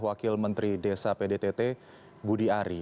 wakil menteri desa pdtt budi ari